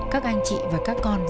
các anh chị và các con thân yêu mẹ